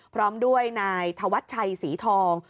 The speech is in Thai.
พร้อมด้วยนายธวัชชัยศรีทอง